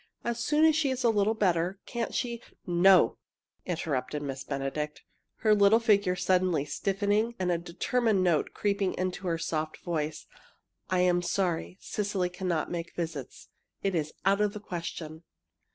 As soon as she is a little better, can't she " "No," interrupted Miss Benedict, her little figure suddenly stiffening and a determined note creeping into her soft voice. "I am sorry. Cecily cannot make visits. It is out of the question!"